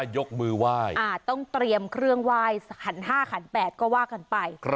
ยกมือไหว้ต้องเตรียมเครื่องไหว้หัน๕ขัน๘ก็ว่ากันไป